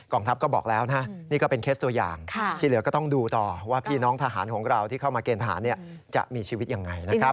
ทัพก็บอกแล้วนะนี่ก็เป็นเคสตัวอย่างที่เหลือก็ต้องดูต่อว่าพี่น้องทหารของเราที่เข้ามาเกณฑหารจะมีชีวิตยังไงนะครับ